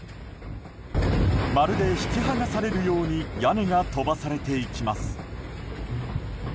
まるで引き剥がされるように屋根が飛ばされていきます。